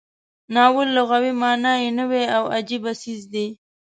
ناول لغوي معنا یې نوی او عجیبه څیز دی.